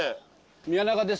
宮永です。